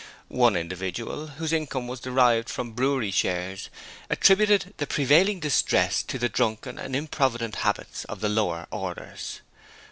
One individual, whose income was derived from brewery shares, attributed the prevailing distress to the drunken and improvident habits of the lower orders.